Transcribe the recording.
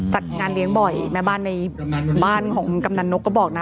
จัดงานเลี้ยงบ่อยแม่บ้านในบ้านของกำนันนกก็บอกนะ